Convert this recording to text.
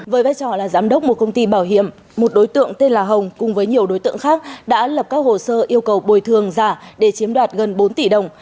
với vai trò là giám đốc một công ty bảo hiểm một đối tượng tên là hồng cùng với nhiều đối tượng khác đã lập các hồ sơ yêu cầu bồi thường giả để chiếm đoạt gần bốn tỷ đồng